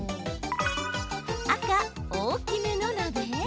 赤・大きめの鍋。